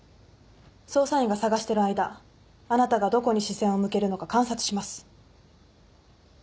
捜査員が探してる間あなたがどこに視線を向けるのか観察します。